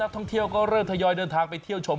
ท่องเที่ยวก็เริ่มทยอยเดินทางไปเที่ยวชม